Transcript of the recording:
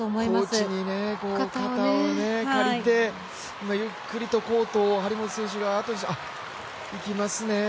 コーチに肩を借りてゆっくりとコートを張本選手があとにしていきますね。